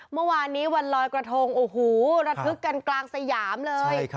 เมื่อวานนี้วันลอยกระทงโอ้โหระทึกกันกลางสยามเลย